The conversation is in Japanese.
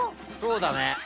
そうだね。